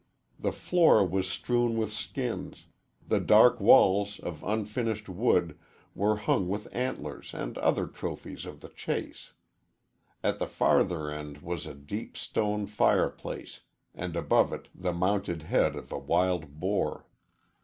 The floor was strewn with skins, the dark walls of unfinished wood were hung with antlers and other trophies of the chase. At the farther end was a deep stone fireplace, and above it the mounted head of a wild boar.